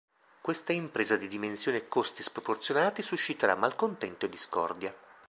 Questa impresa di dimensioni e costi sproporzionati susciterà malcontento e discordia.